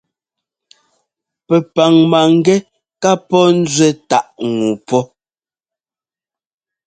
Pɛpaŋ mangɛ́ ká pɔ́ nzuɛ táʼ ŋu pɔ́.